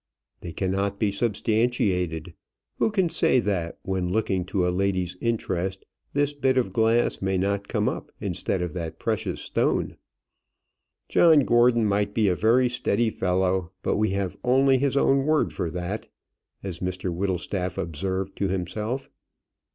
They cannot be substantiated. Who can say that, when looking to a lady's interest, this bit of glass may not come up instead of that precious stone? "John Gordon might be a very steady fellow; but we have only his own word for that," as Mr Whittlestaff observed to himself.